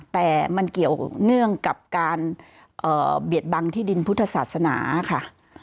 แต่มันเกี่ยวเนื่องกับการเบียดบังที่ดินพุทธศาสนาค่ะ